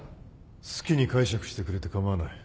好きに解釈してくれて構わない。